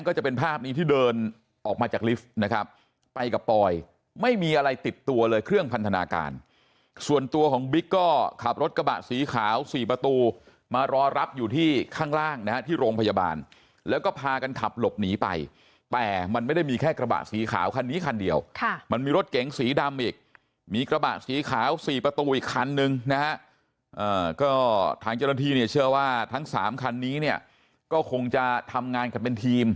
ก็จะเป็นภาพนี้ที่เดินออกมาจากลิฟต์นะครับไปกับปลอยไม่มีอะไรติดตัวเลยเครื่องพันธนาการส่วนตัวของบิ๊กก็ขับรถกระบะสีขาวสี่ประตูมารอรับอยู่ที่ข้างล่างนะที่โรงพยาบาลแล้วก็พากันขับหลบหนีไปแต่มันไม่ได้มีแค่กระบะสีขาวคันนี้คันเดียวค่ะมันมีรถเก๋งสีดำอีกมีกระบะสีขาวสี่ประตูอีกคันนึ